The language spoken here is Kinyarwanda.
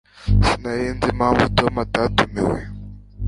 Sinari nzi impamvu Tom atatumiwe